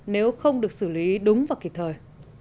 nếu không được xử lý đúng và kịp thời